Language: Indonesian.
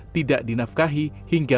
tidak dinafkahi hingga